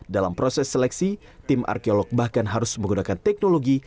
dalam proses seleksi tim arkeolog bahkan harus menggunakan teknologi